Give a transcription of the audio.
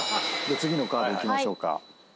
次のカードいきましょうか。